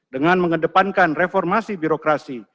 dengan mengedepankan reformasi birokrasi